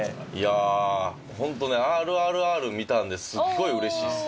ホントね『ＲＲＲ』見たんですごい嬉しいです。